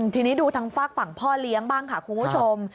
ทีนี้ดูทางฝากฝั่งพ่อเลี้ยงบ้างค่ะคุณผู้ชม